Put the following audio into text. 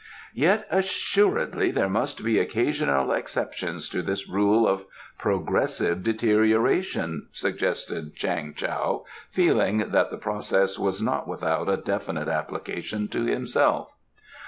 "Yet, assuredly, there must be occasional exceptions to this rule of progressive deterioration?" suggested Chang Tao, feeling that the process was not without a definite application to himself.